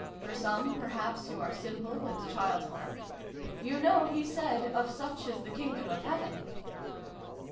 " For some, perhaps, who are simple and childlike. You know He said ' of such is the Kingdom of Heaven.'